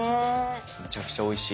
むちゃくちゃおいしい。